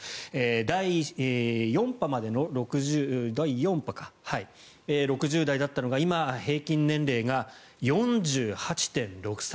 第４波までが６０代だったのが今、平均年齢が４８．６歳。